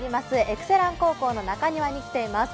エクセラン高校の中庭に来ています。